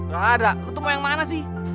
gak ada lu itu mau yang mana sih